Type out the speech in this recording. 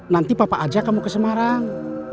nanti papa aja kamu ke semarang